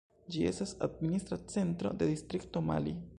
Ĝi estas administra centro de distrikto Mali.